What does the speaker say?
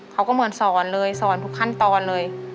เขาก็เหมือนสอนเลยสอนทุกขั้นตอนเลย